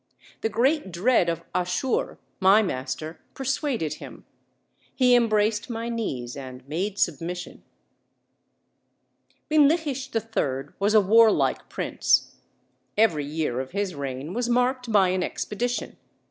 The great dread of Asshur, my master, persuaded him; he embraced my knees and made submission." Binlikhish III was a warlike prince; every year of his reign was marked by an expedition.